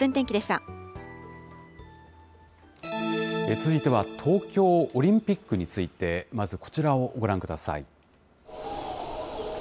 続いては、東京オリンピックについて、まずこちらをご覧ください。